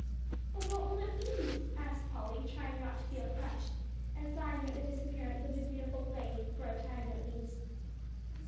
"But what will it be?" asked Polly, trying not to feel crushed, and sighing at the disappearance of the beautiful play, for a time at least.